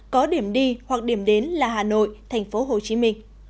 có điểm đi hoặc điểm đến là hà nội tp hcm